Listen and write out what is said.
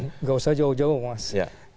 tidak usah jauh jauh mas